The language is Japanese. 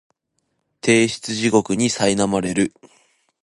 提出地獄にさいなまれる